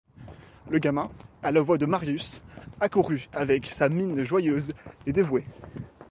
Le gamin, à la voix de Marius, accourut avec sa mine joyeuse et dévouée.